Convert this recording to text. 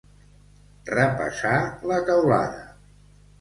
Repassar la teulada.